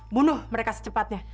bunuh mereka secepatnya